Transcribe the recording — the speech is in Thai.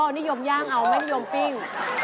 นิยมย่างเอาไม่นิยมปิ้ง